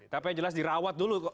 tapi yang jelas dirawat dulu kok